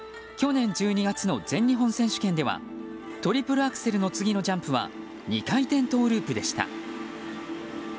去年１２月の全日本選手権ではトリプルアクセルの次のジャンプは２回転トウループでした。